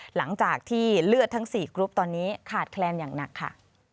หลังจากที่เลือดทั้ง๔กรุ๊ปตอนนี้ขาดแคลนอย่างหนักค่ะ